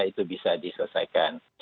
itu bisa diselesaikan